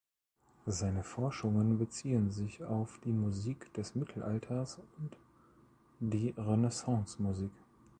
Seine Forschungen beziehen sich auf die Musik des Mittelalters und die Renaissancemusik.